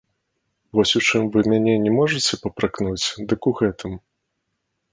Вось у чым вы мяне не можаце папракнуць, дык у гэтым.